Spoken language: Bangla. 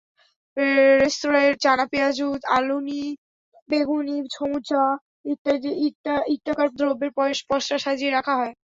রেস্তোরাঁয় চানা পেঁয়াজু, আলুনি, বেগুনি, সমুচা ইত্যাকার দ্রব্যের পসরা সাজিয়ে রাখা হয়।